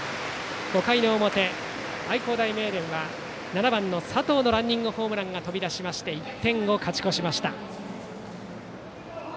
５回表、八戸学院光星は７番、佐藤のランニングホームランが飛び出しまして１点を勝ち越しました。